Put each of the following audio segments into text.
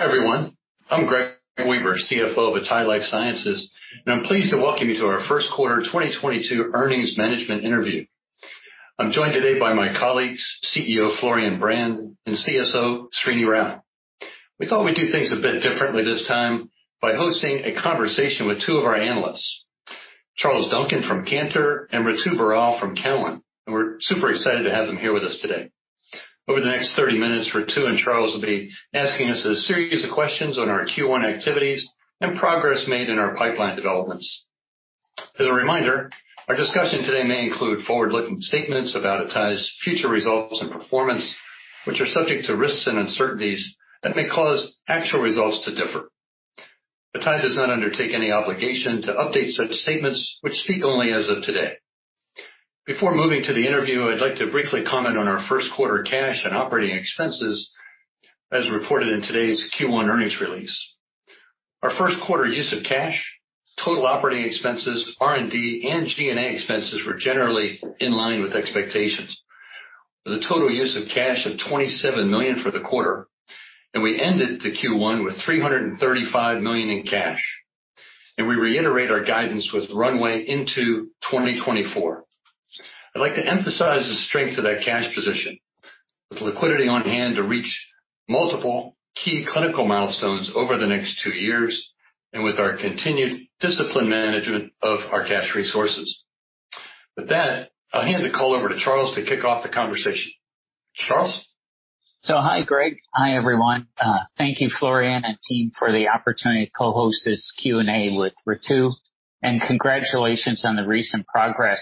Everyone, I'm Greg Weaver, CFO of atai Life Sciences, and I'm pleased to welcome you to our first quarter 2022 earnings management interview. I'm joined today by my colleagues, CEO, Florian Brand and CSO, Srini Rao. We thought we'd do things a bit differently this time by hosting a conversation with two of our analysts, Charles Duncan from Cantor and Ritu Baral from Cowen. We're super excited to have them here with us today. Over the next 30 minutes, Ritu and Charles will be asking us a series of questions on our Q1 activities and progress made in our pipeline developments. As a reminder, our discussion today may include forward-looking statements about atai's future results and performance, which are subject to risks and uncertainties that may cause actual results to differ. atai does not undertake any obligation to update such statements which speak only as of today. Before moving to the interview, I'd like to briefly comment on our first quarter cash and operating expenses as reported in today's Q1 earnings release. Our first quarter use of cash, total operating expenses, R&D and G&A expenses were generally in line with expectations. The total use of cash of $27 million for the quarter, and we ended the Q1 with $335 million in cash. We reiterate our guidance with runway into 2024. I'd like to emphasize the strength of that cash position with liquidity on hand to reach multiple key clinical milestones over the next two years and with our continued disciplined management of our cash resources. With that, I'll hand the call over to Charles to kick off the conversation. Charles. Hi, Greg. Hi, everyone. Thank you, Florian and team for the opportunity to co-host this Q&A with Ritu. Congratulations on the recent progress.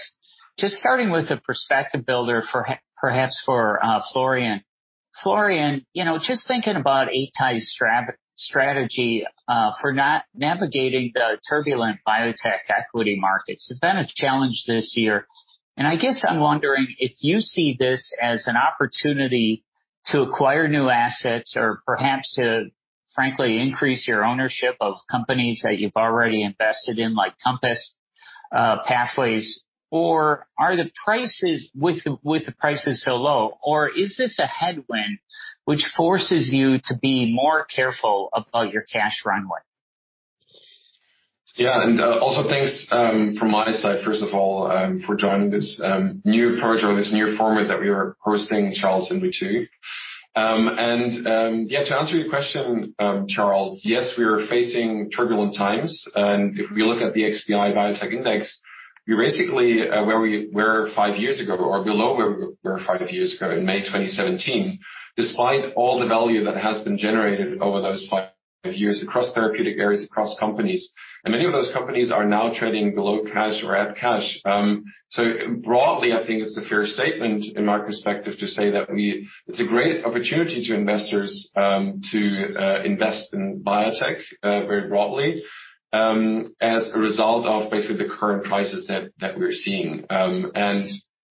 Just starting with the perspective builder for perhaps Florian. Florian, you know, just thinking about atai's strategy for navigating the turbulent biotech equity markets. It's been a challenge this year. I guess I'm wondering if you see this as an opportunity to acquire new assets or perhaps to frankly increase your ownership of companies that you've already invested in, like Compass Pathways. Are the prices with the prices so low, or is this a headwind which forces you to be more careful about your cash runway? Yeah. Also thanks, from my side, first of all, for joining this new approach or this new format that we are hosting, Charles and Ritu. Yeah, to answer your question, Charles, yes, we are facing turbulent times. If we look at the XBI biotech index, we're basically where we were five years ago or below where we were five years ago in May 2017, despite all the value that has been generated over those five years across therapeutic areas, across companies. Many of those companies are now trading below cash or at cash. Broadly, I think it's a fair statement in my perspective to say that it's a great opportunity to investors to invest in biotech very broadly as a result of basically the current prices that we're seeing, and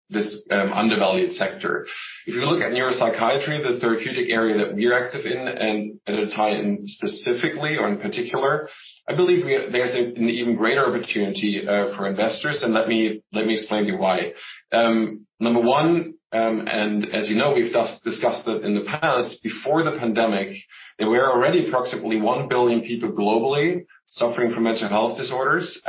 this undervalued sector. If you look at neuropsychiatry, the therapeutic area that we're active in, and at atai specifically or in particular, I believe there's an even greater opportunity for investors. Let me explain to you why. Number one, as you know, we've discussed it in the past, before the pandemic, there were already approximately 1 billion people globally suffering from mental health disorders.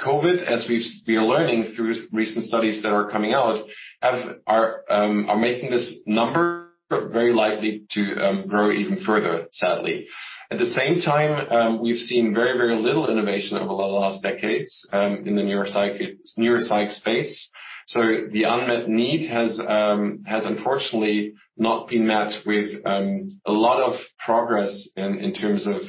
COVID, as we are learning through recent studies that are coming out, are making this number very likely to grow even further, sadly. At the same time, we've seen very, very little innovation over the last decades in the neuropsych space. The unmet need has unfortunately not been met with a lot of progress in terms of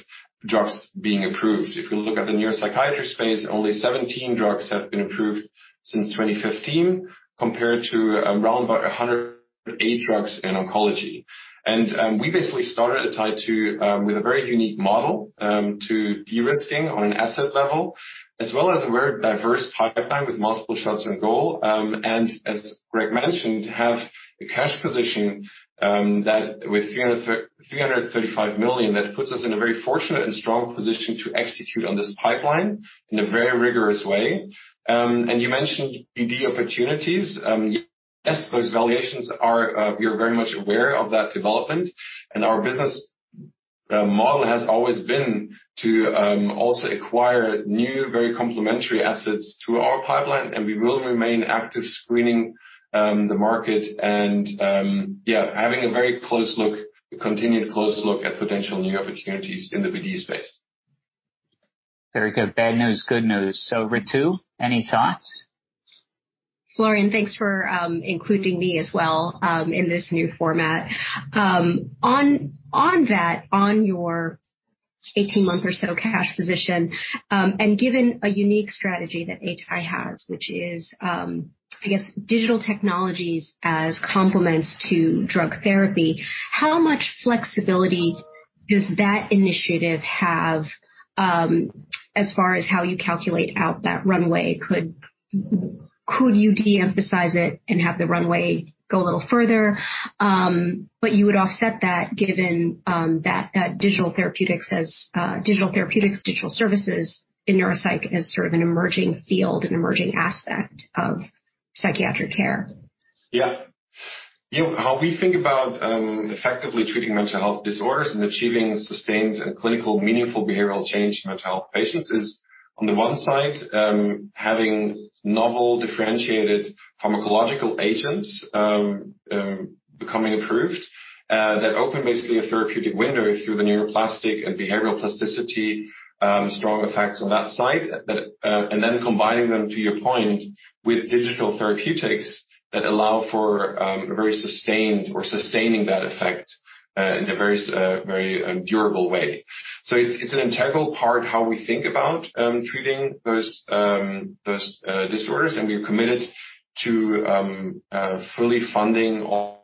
drugs being approved. If you look at the neuropsychiatry space, only 17 drugs have been approved since 2015, compared to around about 108 drugs in oncology. We basically started atai to with a very unique model to de-risking on an asset level, as well as a very diverse pipeline with multiple shots on goal. As Greg mentioned, have a cash position that with $335 million that puts us in a very fortunate and strong position to execute on this pipeline in a very rigorous way. You mentioned BD opportunities. Yes, those valuations are. We are very much aware of that development. Our business model has always been to also acquire new, very complementary assets to our pipeline, and we will remain active screening the market and having a very close look, continued close look at potential new opportunities in the BD space. Very good. Bad news, good news. Ritu, any thoughts? Florian, thanks for including me as well in this new format. On your 18-month or so cash position and given a unique strategy that atai has, which is, I guess digital technologies as complements to drug therapy, how much flexibility does that initiative have as far as how you calculate out that runway? Could you de-emphasize it and have the runway go a little further? You would offset that given that digital therapeutics, digital services in neuropsych as sort of an emerging field and emerging aspect of psychiatric care. Yeah. You know, how we think about effectively treating mental health disorders and achieving sustained and clinical meaningful behavioral change in mental health patients is on the one side, having novel differentiated pharmacological agents becoming approved that open basically a therapeutic window through the neuroplastic and behavioral plasticity strong effects on that side that and then combining them to your point with digital therapeutics that allow for a very sustained or sustaining that effect in a very durable way. It's an integral part how we think about treating those disorders, and we are committed to fully funding also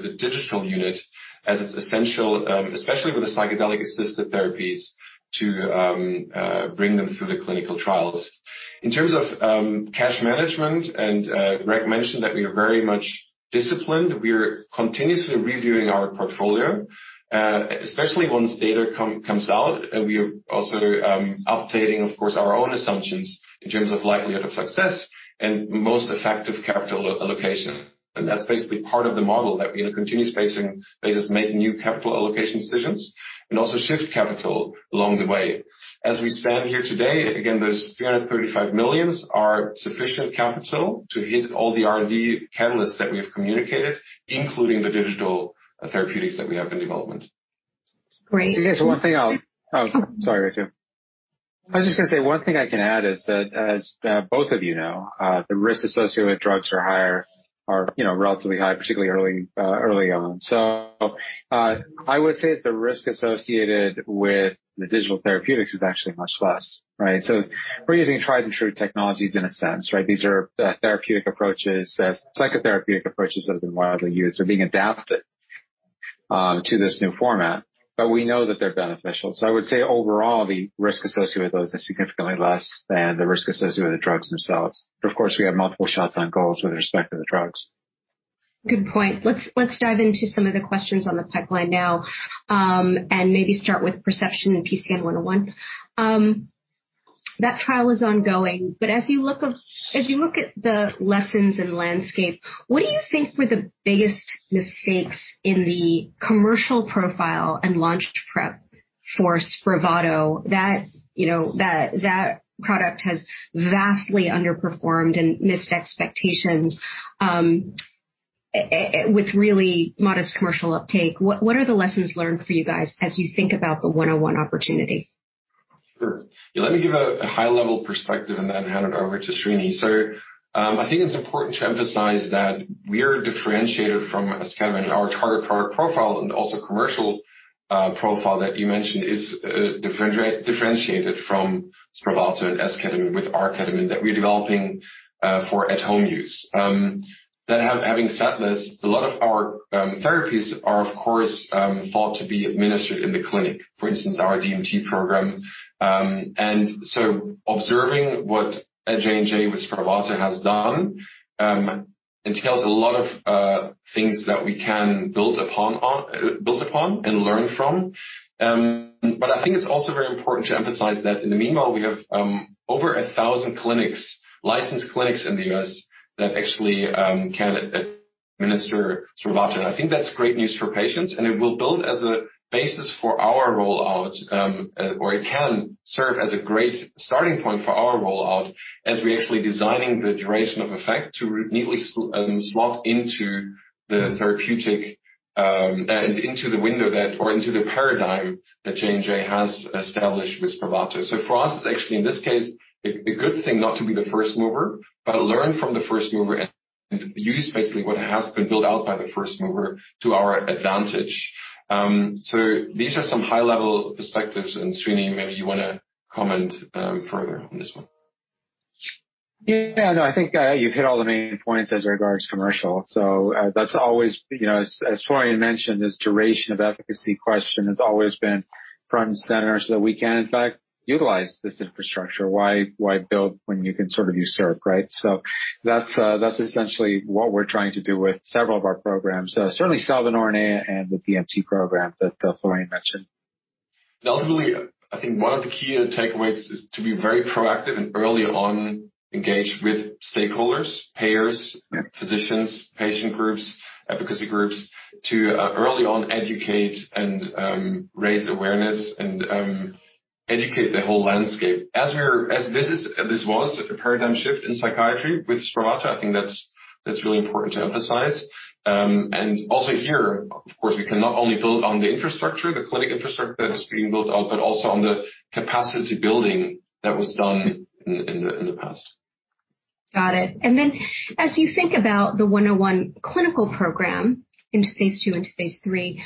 the digital unit as it's essential especially with the psychedelic-assisted therapies to bring them through the clinical trials. In terms of cash management, and Greg mentioned that we are very much disciplined. We are continuously reviewing our portfolio, especially once data comes out. We are also updating, of course, our own assumptions in terms of likelihood of success and most effective capital allocation. That's basically part of the model that we are continuously basing. We just make new capital allocation decisions, and also shift capital along the way. As we stand here today, again, those $335 million are sufficient capital to hit all the R&D catalysts that we have communicated, including the digital therapeutics that we have in development. Great. You guys, one thing. Oh, sorry, Ritu. I was just gonna say one thing I can add is that as both of you know, the risk associated with drugs are higher or, you know, relatively high, particularly early on. I would say the risk associated with the digital therapeutics is actually much less, right? We're using tried-and-true technologies in a sense, right? These are therapeutic approaches, psychotherapeutic approaches that have been widely used. They're being adapted to this new format, but we know that they're beneficial. I would say overall, the risk associated with those is significantly less than the risk associated with the drugs themselves. Of course, we have multiple shots on goals with respect to the drugs. Good point. Let's dive into some of the questions on the pipeline now, and maybe start with Perception and PCN-101. That trial is ongoing, but as you look at the lessons and landscape, what do you think were the biggest mistakes in the commercial profile and launch prep for Spravato that, you know, that product has vastly underperformed and missed expectations, with really modest commercial uptake? What are the lessons learned for you guys as you think about the 101 opportunity? Sure. Let me give a high-level perspective and then hand it over to Srini. I think it's important to emphasize that we are differentiated from esketamine. Our target product profile and also commercial profile that you mentioned is differentiated from Spravato and esketamine with R-ketamine that we're developing for at home use. Having said this, a lot of our therapies are of course thought to be administered in the clinic, for instance, our DMT program. Observing what J&J with Spravato has done entails a lot of things that we can build upon and learn from. I think it's also very important to emphasize that in the meanwhile, we have over 1,000 licensed clinics in the U.S. that actually can administer Spravato. I think that's great news for patients, and it will build as a basis for our rollout, or it can serve as a great starting point for our rollout as we are actually designing the duration of effect to neatly slot into the therapeutic window or into the paradigm that J&J has established with Spravato. For us, it's actually, in this case, a good thing not to be the first mover, but learn from the first mover and use basically what has been built out by the first mover to our advantage. These are some high-level perspectives, and Srini, maybe you wanna comment further on this one. Yeah. No, I think you hit all the main points as regards to commercial. That's always, you know, as Florian mentioned, this duration of efficacy question has always been front and center so that we can in fact utilize this infrastructure. Why build when you can sort of use what's there, right? That's essentially what we're trying to do with several of our programs. Certainly Salvinorin A and the DMT program that Florian mentioned. Ultimately, I think one of the key takeaways is to be very proactive and early on engage with stakeholders, payers. Yeah. Physicians, patient groups, advocacy groups to early on educate, and raise awareness and educate the whole landscape. This was a paradigm shift in psychiatry with Spravato. I think that's really important to emphasize. Also here, of course, we can not only build on the infrastructure, the clinic infrastructure that is being built out, but also on the capacity building that was done in the past. Got it. As you think about the PCN-101 clinical program into phase II and to phase III,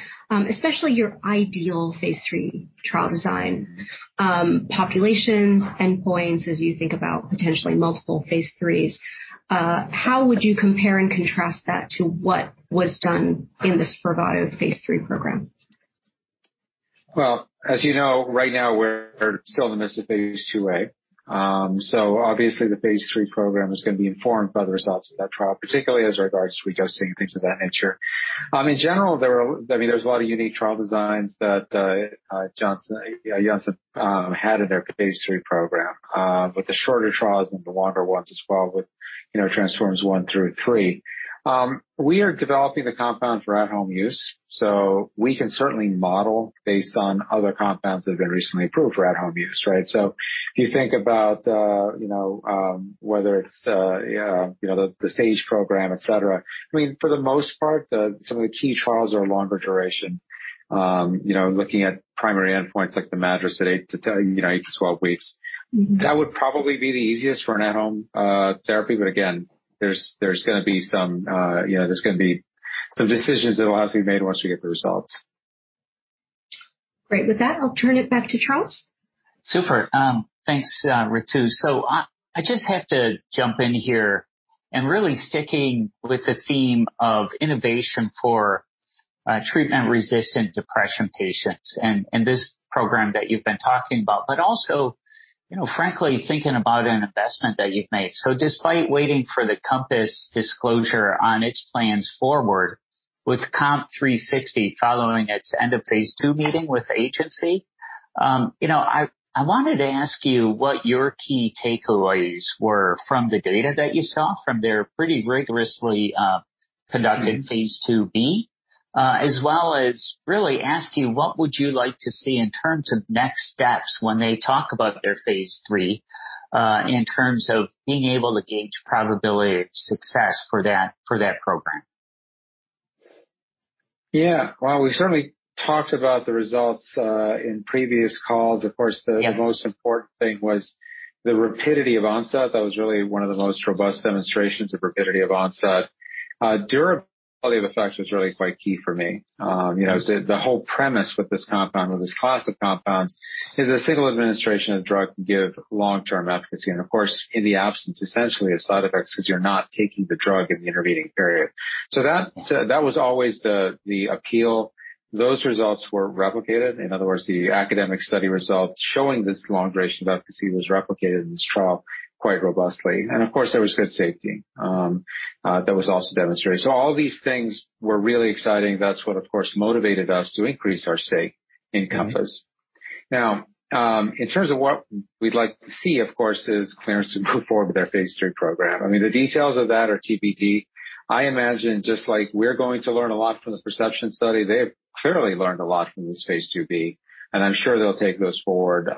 especially your ideal phase III trial design, populations, endpoints, as you think about potentially multiple phase IIIs, how would you compare and contrast that to what was done in the Spravato phase III program? Well, as you know, right now we're still in the midst of phase II-A. So obviously the phase III program is gonna be informed by the results of that trial, particularly as regards to dosing, things of that nature. In general, there's a lot of unique trial designs that Janssen had in their phase III program, with the shorter trials and the longer ones as well with, you know, TRANSFORM-1 through TRANSFORM-3. We are developing the compound for at home use, so we can certainly model based on other compounds that have been recently approved for at home use, right? So if you think about, you know, whether it's, you know, the Sage program, et cetera. I mean, for the most part, some of the key trials are longer duration, you know, looking at primary endpoints like the MADRS at 8-10, you know, 8-12 weeks. That would probably be the easiest for an at-home therapy. Again, there's gonna be some decisions that will have to be made once we get the results. Great. With that, I'll turn it back to Charles. Super. Thanks, Ritu. I just have to jump in here and really sticking with the theme of innovation for treatment-resistant depression patients and this program that you've been talking about, but also, you know, frankly, thinking about an investment that you've made. Despite waiting for the Compass disclosure on its plans forward with COMP360 following its end of phase II meeting with the agency, you know, I wanted to ask you what your key takeaways were from the data that you saw from their pretty rigorously conducted phase II-B, as well as really ask you what would you like to see in terms of next steps when they talk about their phase III, in terms of being able to gauge probability of success for that program? Yeah. Well, we've certainly talked about the results in previous calls. Of course. Yeah. The most important thing was the rapidity of onset. That was really one of the most robust demonstrations of rapidity of onset. Durability of effect was really quite key for me. You know, the whole premise with this compound, with this class of compounds is a single administration of drug can give long-term efficacy and of course, in the absence essentially of side effects because you're not taking the drug in the intervening period. Yeah. That was always the appeal. Those results were replicated. In other words, the academic study results showing this long duration efficacy was replicated in this trial quite robustly. Of course, there was good safety that was also demonstrated. All these things were really exciting. That's what, of course, motivated us to increase our stake in Compass. Now, in terms of what we'd like to see, of course, is clearance to move forward with their phase III program. I mean, the details of that are TBD. I imagine just like we're going to learn a lot from the Perception study, they've clearly learned a lot from this phase II-B, and I'm sure they'll take those forward.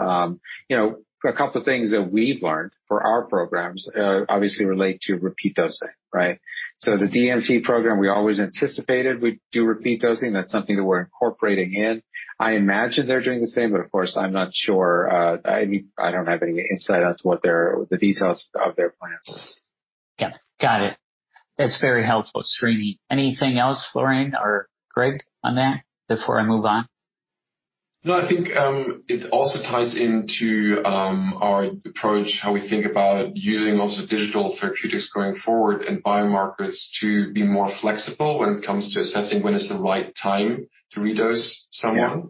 You know, a couple things that we've learned for our programs obviously relate to repeat dosing, right? The DMT program, we always anticipated we'd do repeat dosing. That's something that we're incorporating in. I imagine they're doing the same, but of course, I'm not sure. I mean, I don't have any insight into the details of their plans. Yeah. Got it. That's very helpful. Srini. Anything else, Florian or Greg, on that before I move on? No, I think it also ties into our approach, how we think about using also digital therapeutics going forward and biomarkers to be more flexible when it comes to assessing when it's the right time to redose someone.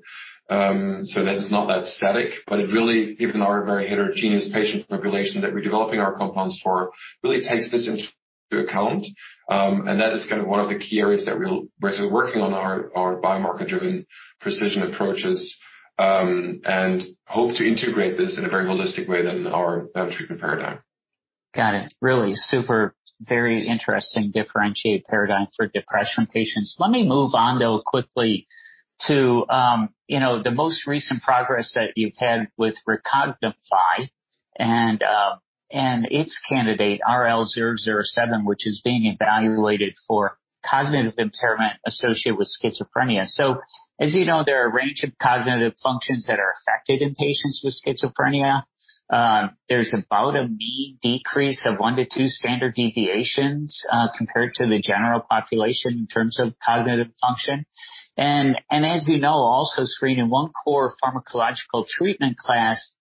Yeah. That it's not that static, but it really gives our very heterogeneous patient population that we're developing our compounds for really takes this into account. That is kind of one of the key areas that we're working on our biomarker-driven precision approaches, and hope to integrate this in a very holistic way than our treatment paradigm. Got it. Really super, very interesting differentiated paradigm for depression patients. Let me move on, though, quickly to, you know, the most recent progress that you've had with Recognify and its candidate RL-007, which is being evaluated for cognitive impairment associated with schizophrenia. As you know, there are a range of cognitive functions that are affected in patients with schizophrenia. There's about a mean decrease of 1-2 standard deviations, compared to the general population in terms of cognitive function. As you know, the one core pharmacological treatment class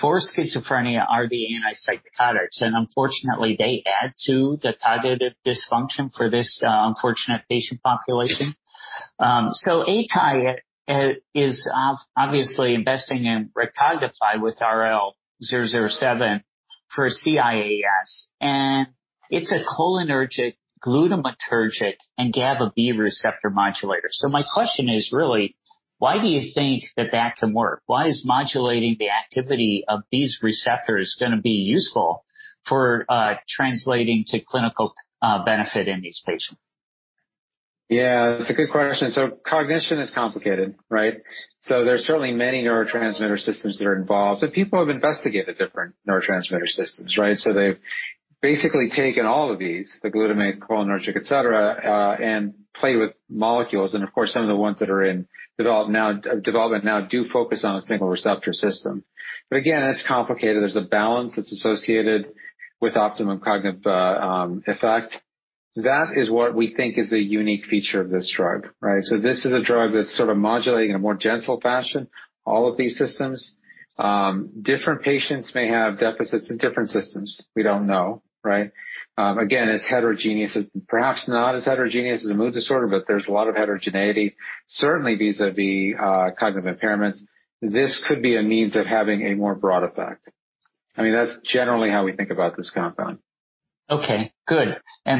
for schizophrenia are the antipsychotics, and unfortunately, they add to the cognitive dysfunction for this unfortunate patient population. Atai is obviously investing in Recognify with RL-007 for CIAS, and it's a cholinergic, glutamatergic, and GABAB receptor modulator. My question is, really, why do you think that that can work? Why is modulating the activity of these receptors gonna be useful for translating to clinical benefit in these patients? Yeah, that's a good question. Cognition is complicated, right? There's certainly many neurotransmitter systems that are involved, but people have investigated different neurotransmitter systems, right? They've basically taken all of these, the glutamate, cholinergic, et cetera, and played with molecules. Of course, some of the ones that are in development now do focus on a single receptor system. Again, it's complicated. There's a balance that's associated with optimum cognitive effect. That is what we think is the unique feature of this drug, right? This is a drug that's sort of modulating in a more gentle fashion, all of these systems. Different patients may have deficits in different systems. We don't know, right? Again, it's heterogeneous. Perhaps not as heterogeneous as a mood disorder, but there's a lot of heterogeneity, certainly vis-à-vis cognitive impairments. This could be a means of having a more broad effect. I mean, that's generally how we think about this compound. Okay, good.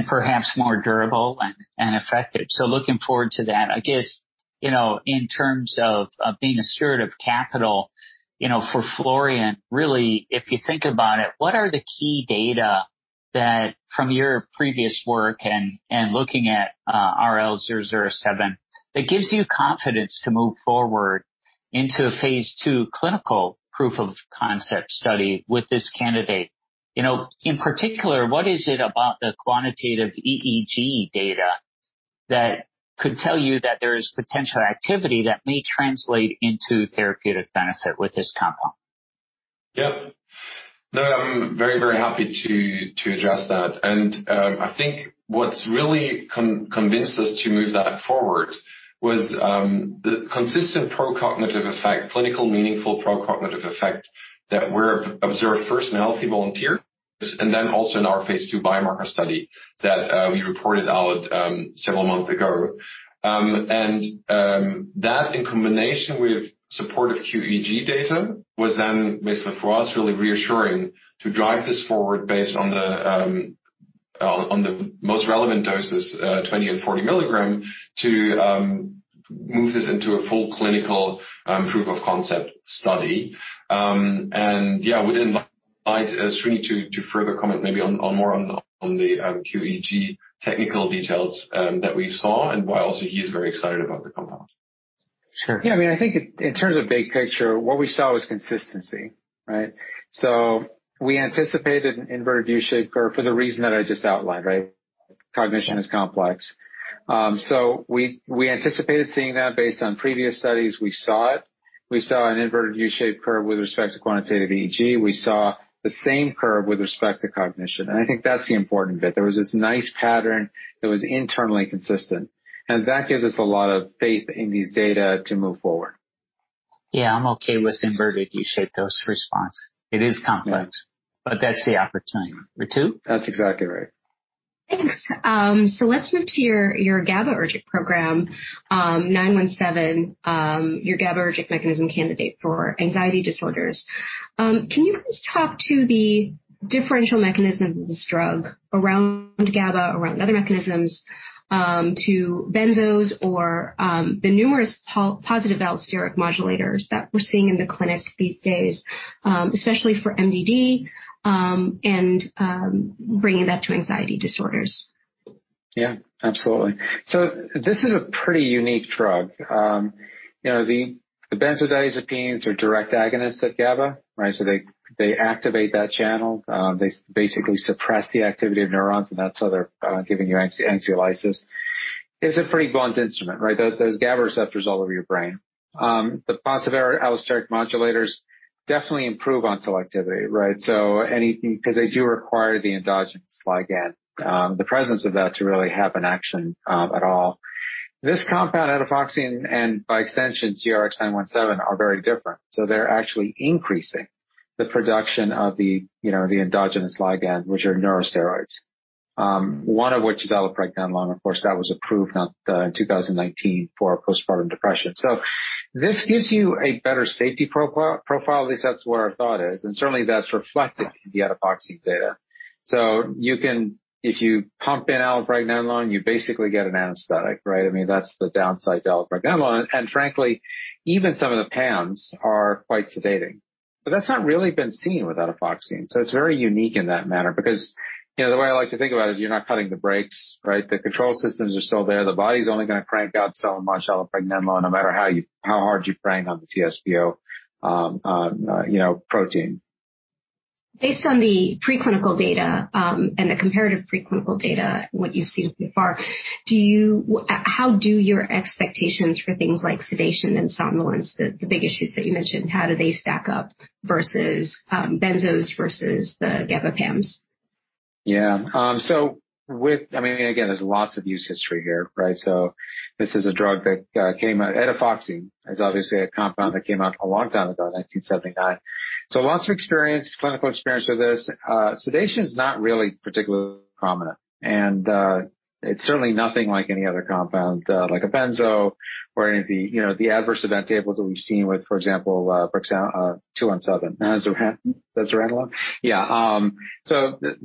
Perhaps more durable and effective. Looking forward to that. I guess, you know, in terms of being a steward of capital, you know, for Florian, really, if you think about it, what are the key data that from your previous work and looking at RL-007, that gives you confidence to move forward into a phase II clinical proof of concept study with this candidate? You know, in particular, what is it about the quantitative EEG data that could tell you that there is potential activity that may translate into therapeutic benefit with this compound? Yeah. No, I'm very happy to address that. I think what's really convinced us to move that forward was the consistent pro-cognitive effect, clinically meaningful pro-cognitive effect that were observed first in a healthy volunteer and then also in our phase II biomarker study that we reported out several months ago. That in combination with supportive qEEG data was then basically for us really reassuring to drive this forward based on the most relevant doses, 20 mg and 40 mg to move this into a full clinical proof of concept study. Yeah, I would invite Srini to further comment maybe on the qEEG technical details that we saw and why also he's very excited about the compound. Sure. Yeah. I mean, I think in terms of big picture, what we saw was consistency, right? We anticipated an inverted U-shaped curve for the reason that I just outlined, right? Cognition is complex. We anticipated seeing that based on previous studies. We saw it. We saw an inverted U-shaped curve with respect to quantitative EEG. We saw the same curve with respect to cognition. I think that's the important bit. There was this nice pattern that was internally consistent, and that gives us a lot of faith in these data to move forward. Yeah, I'm okay with inverted U-shaped dose response. It is complex. Yeah. That's the opportunity. Ritu? That's exactly right. Thanks. Let's move to your GABAergic program, GRX-917, your GABAergic mechanism candidate for anxiety disorders. Can you please talk to the differential mechanism of this drug around GABA, around other mechanisms, to benzos or the numerous positive allosteric modulators that we're seeing in the clinic these days, especially for MDD, and bringing that to anxiety disorders? Yeah, absolutely. This is a pretty unique drug. You know, the benzodiazepines are direct agonists at GABA, right? They activate that channel, they basically suppress the activity of neurons, and that's how they're giving you anxiolysis. It's a pretty blunt instrument, right? Those GABA receptors all over your brain. The positive allosteric modulators definitely improve on selectivity, right? Anything 'cause they do require the endogenous ligand, the presence of that to really have an action at all. This compound etifoxine and by extension, GRX-917 are very different. They're actually increasing the production of the endogenous ligand, you know, which are neurosteroids, one of which is allopregnanolone. Of course, that was approved now in 2019 for postpartum depression. This gives you a better safety profile. At least that's where our thought is, and certainly that's reflected in the etifoxine data. You can if you pump in allopregnanolone, you basically get an anesthetic, right? I mean, that's the downside to allopregnanolone. Frankly, even some of the PAMs are quite sedating. That's not really been seen with etifoxine. It's very unique in that manner because, you know, the way I like to think about it is you're not cutting the brakes, right? The control systems are still there. The body's only gonna crank out so much allopregnanolone no matter how hard you prank on the TSPO, you know, protein. Based on the preclinical data and the comparative preclinical data, what you've seen so far, how do your expectations for things like sedation and somnolence, the big issues that you mentioned, how do they stack up versus benzos versus the GABA PAMs? Yeah. I mean, again, there's lots of use history here, right? This is a drug that came out. Etifoxine is obviously a compound that came out a long time ago, 1979. Lots of experience, clinical experience with this. Sedation is not really particularly prominent. It's certainly nothing like any other compound, like a benzo or any of the, you know, the adverse event tables that we've seen with, for example, GRX-917.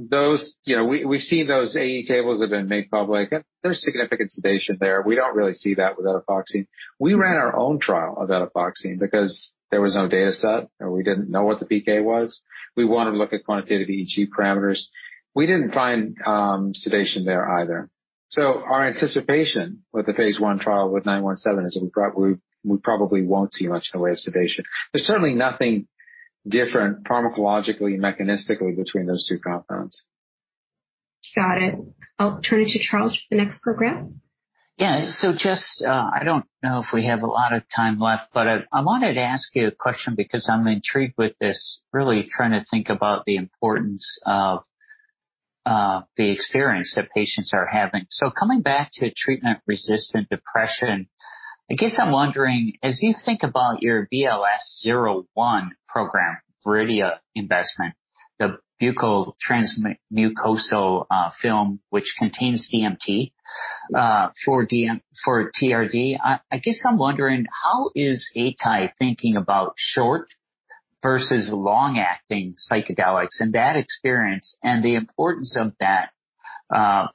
Those, you know. We've seen those AE tables have been made public. There's significant sedation there. We don't really see that with etifoxine. We ran our own trial of etifoxine because there was no data set and we didn't know what the PK was. We wanted to look at quantitative EEG parameters. We didn't find sedation there either. Our anticipation with the phase I trial with GRX-917 is we probably won't see much in the way of sedation. There's certainly nothing different pharmacologically, mechanistically between those two compounds. Got it. I'll turn it to Charles for the next program. Yeah. Just, I don't know if we have a lot of time left, but I wanted to ask you a question because I'm intrigued with this, really trying to think about the importance of the experience that patients are having. Coming back to treatment-resistant depression, I guess I'm wondering, as you think about your VLS-01 program, Viridia investment, the buccal transmucosal film which contains DMT for TRD, I guess I'm wondering how is atai thinking about short versus long-acting psychedelics and that experience and the importance of that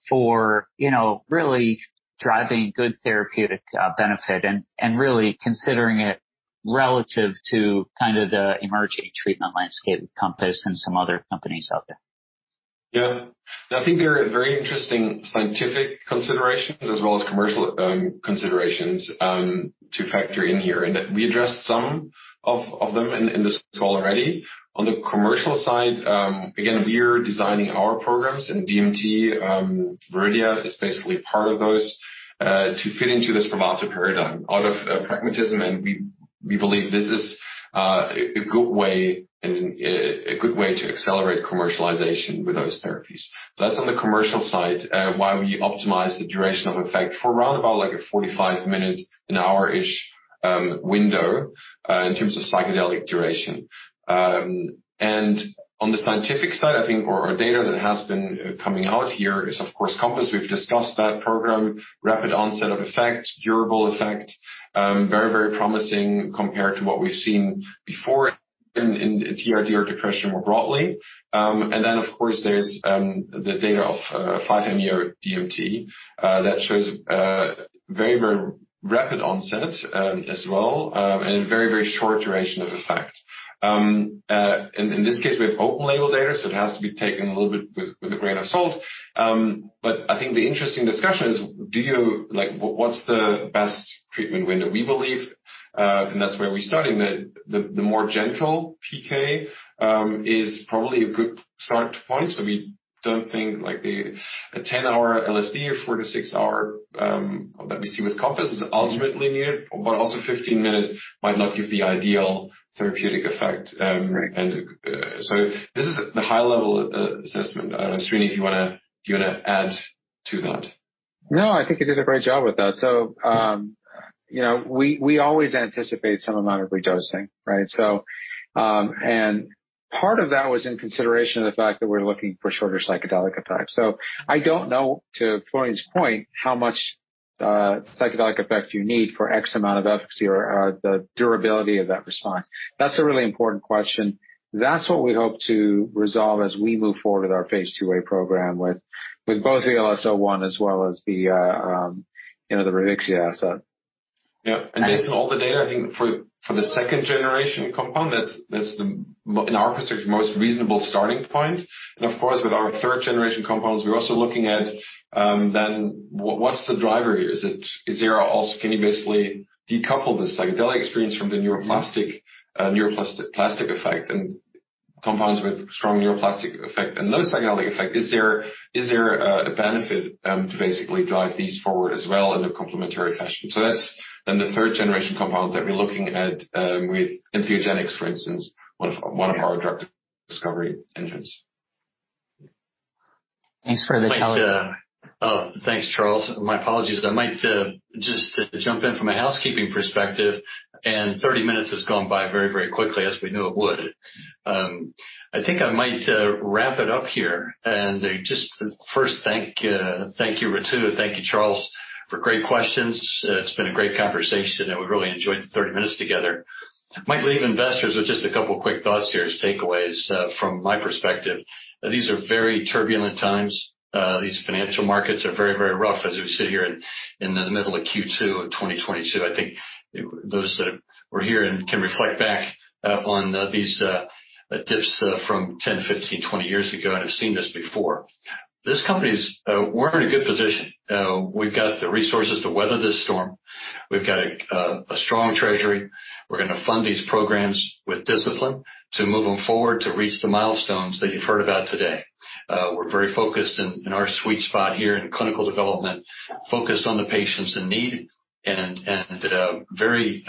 for, you know, really driving good therapeutic benefit and really considering it relative to kind of the emerging treatment landscape with Compass and some other companies out there? Yeah. I think there are very interesting scientific considerations as well as commercial considerations to factor in here, and we addressed some of them in this call already. On the commercial side, again, we're designing our programs in DMT. Viridia is basically part of those to fit into this therapeutic paradigm out of pragmatism, and we believe this is a good way to accelerate commercialization with those therapies. That's on the commercial side why we optimize the duration of effect for around about like a 45-minute, an hour-ish window in terms of psychedelic duration. On the scientific side, I think the data that has been coming out here is of course Compass. We've discussed that program. Rapid onset of effect, durable effect, very, very promising compared to what we've seen before in TRD or depression more broadly. And then of course there's the data of 5-MeO-DMT that shows very, very rapid onset as well, and very, very short duration of effect. In this case, we have open label data, so it has to be taken a little bit with a grain of salt. But I think the interesting discussion is do you like what's the best treatment window. We believe, and that's where we're starting the more gentle PK is probably a good start point. So we don't think like a 10-hour LSD or four- to six-hour that we see with Compass is ultimately needed, but also 15 minutes might not give the ideal therapeutic effect. This is the high-level assessment. Srini, if you wanna add to that. No, I think you did a great job with that. We always anticipate some amount of redosing, right? Part of that was in consideration of the fact that we're looking for shorter psychedelic effects. I don't know, to Florian's point, how much psychedelic effect you need for X amount of efficacy or the durability of that response. That's a really important question. That's what we hope to resolve as we move forward with our phase II-A program with both the VLS-01 as well as the DemeRx asset. Yeah. Based on all the data, I think for the second generation compound, that's the most reasonable starting point in our construction. Of course, with our third generation compounds, we're also looking at what's the driver here? Is it? Can you basically decouple the psychedelic experience from the neuroplastic effect and compounds with strong neuroplastic effect and no psychedelic effect. Is there a benefit to basically drive these forward as well in a complementary fashion? That's then the third generation compounds that we're looking at with EntheogeniX, for instance, one of our drug discovery engines. Thanks for the. Thanks. Oh, thanks, Charles. My apologies. I might just to jump in from a housekeeping perspective, and 30 minutes has gone by very, very quickly as we knew it would. I think I might wrap it up here. First, thank you, Ritu. Thank you, Charles, for great questions. It's been a great conversation, and we really enjoyed the 30 minutes together. Might leave investors with just a couple quick thoughts here as takeaways from my perspective. These are very turbulent times. These financial markets are very, very rough as we sit here in the middle of Q2 of 2022. I think those that were here and can reflect back on these dips from 10, 15, 20 years ago and have seen this before. This company, we're in a good position. We've got the resources to weather this storm. We've got a strong treasury. We're gonna fund these programs with discipline to move them forward to reach the milestones that you've heard about today. We're very focused in our sweet spot here in clinical development, focused on the patients in need and very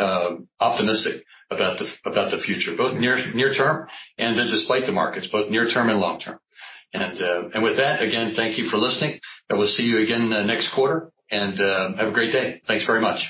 optimistic about the future, both near term and despite the markets, both near term and long term. With that, again, thank you for listening, and we'll see you again next quarter, and have a great day. Thanks very much.